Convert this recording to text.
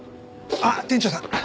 あっ店長さん！